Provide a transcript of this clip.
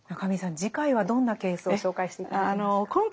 次回はどんなケースを紹介して頂けますか？